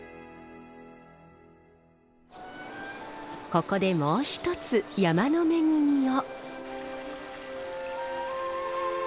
ここでもう一つ山の恵みを。